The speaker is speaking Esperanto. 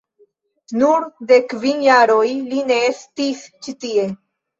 Nur de kvin jaroj li ne estis ĉi tie.